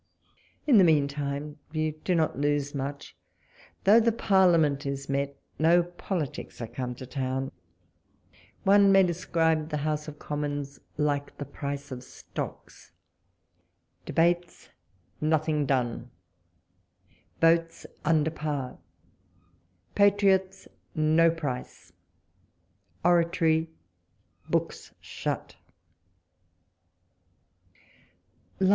In the mean time you do not lose much ; though the Parlia ment is met, no politics are come to town : one may describe the House of Commons like the price of stocks — Debates, nothing done. Votes, under par. Patriots, no price. Oratory, books shut.